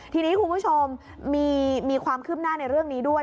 ทีนี้คุณผู้ชมมีความคืบหน้าในเรื่องนี้ด้วย